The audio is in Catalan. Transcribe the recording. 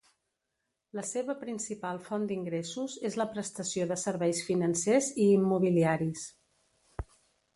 La seva principal font d'ingressos és la prestació de serveis financers i immobiliaris.